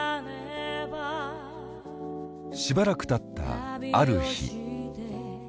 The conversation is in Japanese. しばらくたったある日。